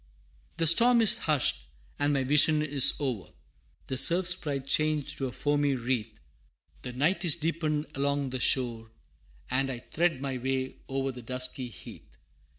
VI. The storm is hushed, and my vision is o'er, The Surf Sprite changed to a foamy wreath, The night is deepened along the shore, And I thread my way o'er the dusky heath.